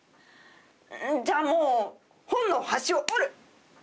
じゃあもう本の端を折る！